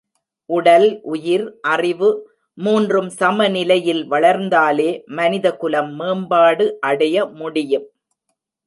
உடல், உயிர், அறிவு மூன்றும் சமநிலையில் வளர்ந்தாலே மனிதகுலம் மேம்பாடு அடைய முடியும்.